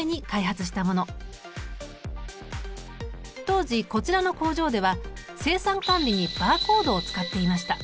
当時こちらの工場では生産管理にバーコードを使っていました。